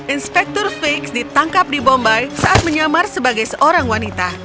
inspektur fix ditangkap di bombay saat menyamar sebagai seorang wanita